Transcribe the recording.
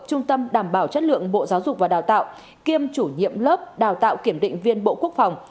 trung tâm đảm bảo chất lượng bộ giáo dục và đào tạo kiêm chủ nhiệm lớp đào tạo kiểm định viên bộ quốc phòng